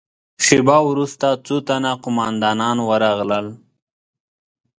شېبه وروسته څو تنه قوماندانان ورغلل.